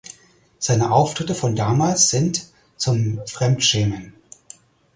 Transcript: Seine Auftritte von damals sind zum Fremdschämen.